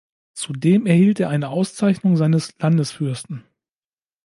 Zudem erhielt er eine Auszeichnung seines Landesfürsten.